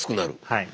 はい。